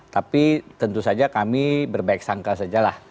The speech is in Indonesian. tapi tentu saja kami berbaik sangka saja lah